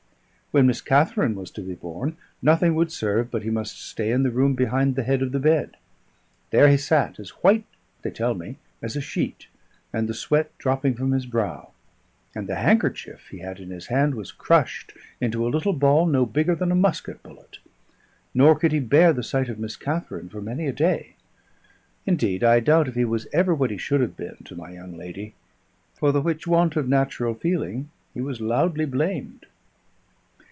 When Miss Katharine was to be born, nothing would serve but he must stay in the room behind the head of the bed. There he sat, as white (they tell me) as a sheet, and the sweat dropping from his brow; and the handkerchief he had in his hand was crushed into a little ball no bigger than a musket bullet. Nor could he bear the sight of Miss Katharine for many a day; indeed, I doubt if he was ever what he should have been to my young lady; for the which want of natural feeling he was loudly blamed.